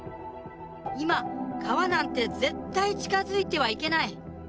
今川なんて絶対近づいてはいけない。